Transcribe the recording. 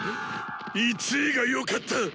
１位がよかった！